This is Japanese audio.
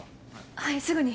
はいすぐに。